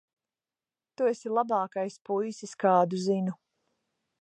Tu esi labākais puisis, kādu zinu.